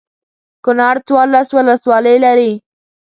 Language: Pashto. کنړ څوارلس ولسوالۍ لري.